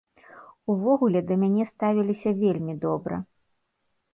Увогуле, да мяне ставіліся вельмі добра.